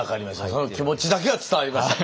その気持ちだけは伝わりました。